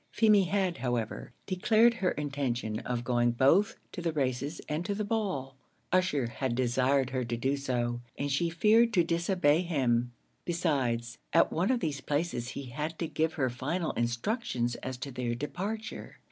Feemy had, however, declared her intention of going both to the races and to the ball. Ussher had desired her to do so, and she feared to disobey him; besides, at one of these places he had to give her final instructions as to their departure.